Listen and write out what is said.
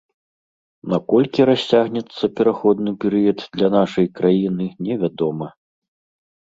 На колькі расцягнецца пераходны перыяд для нашай краіны, невядома.